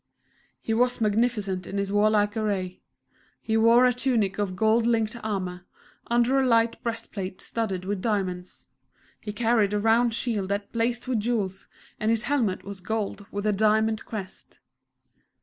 He was magnificent in his warlike array. He wore a tunic of gold linked armour, under a light breastplate studded with diamonds; he carried a round shield that blazed with jewels, and his helmet was gold with a diamond crest.